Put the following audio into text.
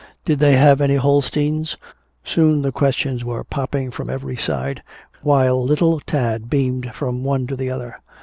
"Did they have any Holsteins?" Soon the questions were popping from every side, while little Tad beamed from one to the other.